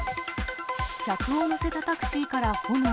客を乗せたタクシーから炎。